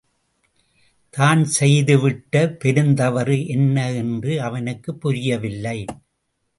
தான் செய்துவிட்ட பெருந்தவறு என்ன என்று அவனுக்குப் புரியவில்லை.